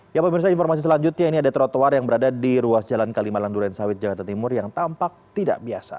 ya pemirsa informasi selanjutnya ini ada trotoar yang berada di ruas jalan kalimalang duren sawit jakarta timur yang tampak tidak biasa